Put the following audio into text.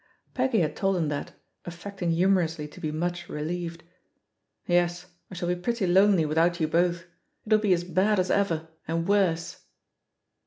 Peggy had told him that, affecting humorously to be much relieved. "Yes, I shall be pretty lonely without you both; it'll be as bad as ever, and worse."